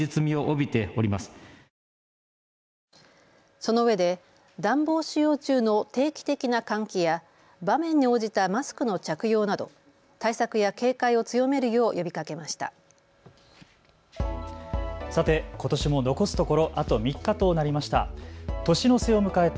そのうえで暖房使用中の定期的な換気や場面に応じたマスクの着用など対策や警戒を強めるよう呼びかけました。